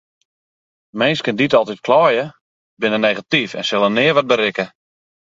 Minsken dy't altyd kleie binne negatyf en sille nea wat berikke.